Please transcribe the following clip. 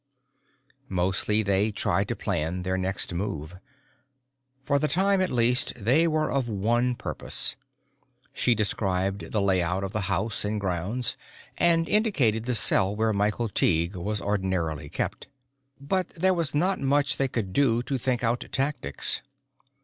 _ Mostly they tried to plan their next move. For the time, at least, they were of one purpose. She described the layout of house and grounds and indicated the cell where Michael Tighe was ordinarily kept. But there was not much they could do to think out tactics.